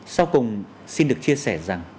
sau cùng xin được chia sẻ rằng